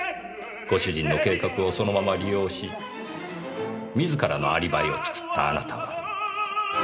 ご主人の計画をそのまま利用し自らのアリバイを作ったあなたは。